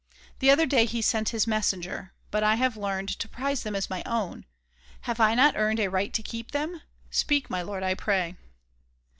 The other day He sent his messenger. But I have learned To prize them as my own ! Have 1 not earned A right to keep them ? Speak, my lord, I pray